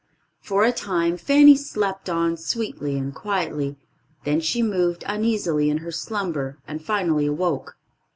For a time Fanny slept on sweetly and quietly; then she moved uneasily in her slumber, and finally awoke.